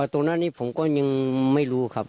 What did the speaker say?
ตรงนั้นผมยังไม่รู้ครับ